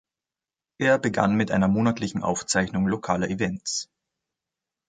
Er begann mit einer monatlichen Aufzeichnung lokaler Events.